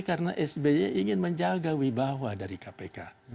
karena sby ingin menjaga wibawa dari kpk